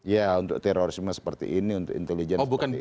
ya untuk terorisme seperti ini untuk intelijen seperti ini